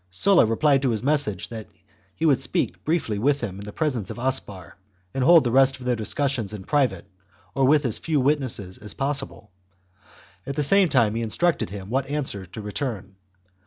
Sulla replied to his message that he would speak briefly with him in the presence of Aspar, and hold the rest of their discussions in private or with as few witnesses as possible ; at the same time he instructed him what answer to return.